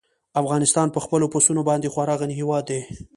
افغانستان په خپلو پسونو باندې خورا غني هېواد دی.